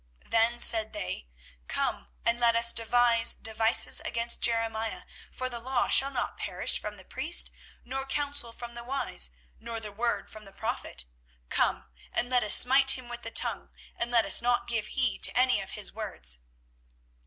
24:018:018 Then said they, Come and let us devise devices against Jeremiah; for the law shall not perish from the priest, nor counsel from the wise, nor the word from the prophet. Come, and let us smite him with the tongue, and let us not give heed to any of his words.